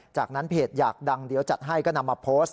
จากนั้นเพจอยากดังเดี๋ยวจัดให้ก็นำมาโพสต์